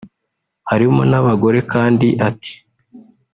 harimo n’abagore kandi ati